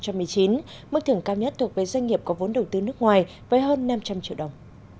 mức thưởng cao nhất thuộc về doanh nghiệp có vốn đầu tư nước ngoài với hơn năm trăm linh triệu đồng